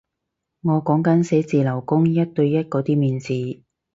我講緊寫字樓工一對一嗰啲面試